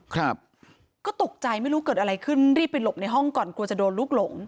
ครับก็ตกใจไม่รู้เกิดอะไรขึ้นรีบไปหลบในห้องก่อนกลัวจะโดนลูกหลง